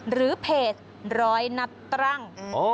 หรือเพจร้อยนับตรัง